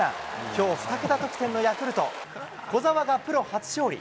きょう、２桁得点のヤクルト、小澤がプロ初勝利。